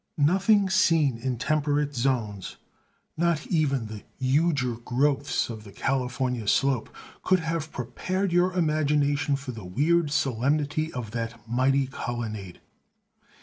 Nothing seen in temperate zones, not even the huger growths of the Californian slope, could have prepared your imagination for the weird solemnity of that mighty colonnade.